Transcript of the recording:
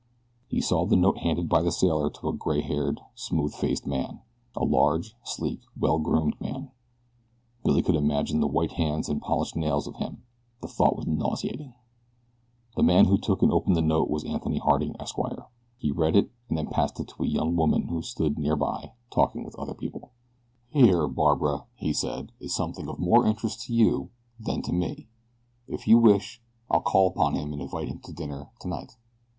He saw the note handed by the sailor to a gray haired, smooth faced man a large, sleek, well groomed man. Billy could imagine the white hands and polished nails of him. The thought was nauseating. The man who took and opened the note was Anthony Harding, Esq. He read it, and then passed it to a young woman who stood near by talking with other young people. "Here, Barbara," he said, "is something of more interest to you than to me. If you wish I'll call upon him and invite him to dinner tonight."